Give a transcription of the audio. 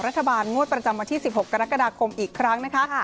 งวดประจำวันที่๑๖กรกฎาคมอีกครั้งนะคะ